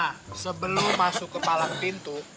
nah sebelum masuk ke palang pintu